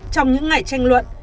trong những ngày tranh luận